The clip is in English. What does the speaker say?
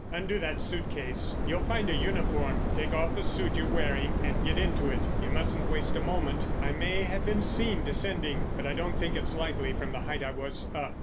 "Undo that suit case. You'll find a uniform; take off the suit you're wearing and get into it. You mustn't waste a moment. I may have been seen descending, but I don't think it's likely from the height I was up."